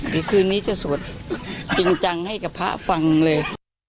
เดี๋ยวคืนนี้จะสวดจริงจังให้กับพระฟังเลย